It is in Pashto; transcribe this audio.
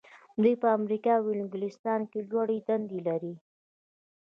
دوی په امریکا او انګلستان کې لوړې دندې لري.